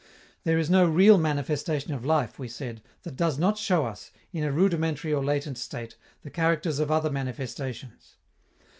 There is no real manifestation of life, we said, that does not show us, in a rudimentary or latent state, the characters of other manifestations.